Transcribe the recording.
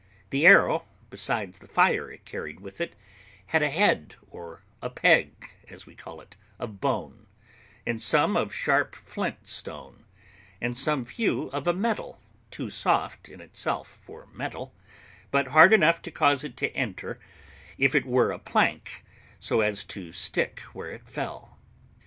The arrow, besides the fire it carried with it, had a head, or a peg, as we call it, of bone; and some of sharp flint stone; and some few of a metal, too soft in itself for metal, but hard enough to cause it to enter, if it were a plank, so as to stick where it fell.